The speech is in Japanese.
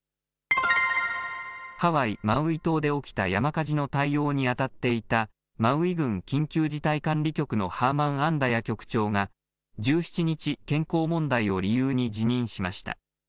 ハワイ・マウイ島で起きた山火事の対応にあたっていたマウイ郡緊急事態管理局のハーマン・アンダヤ局長が１７日、健康問題を理由に辞任しました。